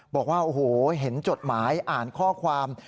บอกว่าโอ้โหเห็นจดหมายอ่านข้อความ